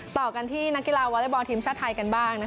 ต่อกันที่นักกีฬาวอเล็กบอลทีมชาติไทยกันบ้าง